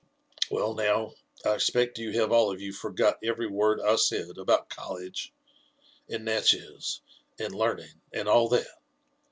Well, now, I expect you have all of you forgot every word I said about college, and Natchez, and learning, and all that?